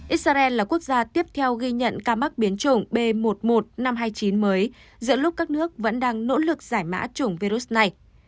israel là quốc gia tiếp theo ghi nhận ca mắc biến chủng b một mươi một năm trăm hai mươi chín mới giữa lúc các nước vẫn đang nỗ lực giải mã chủng virus này